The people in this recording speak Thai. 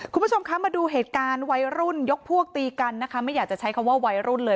คุณผู้ชมคะมาดูเหตุการณ์วัยรุ่นยกพวกตีกันนะคะไม่อยากจะใช้คำว่าวัยรุ่นเลย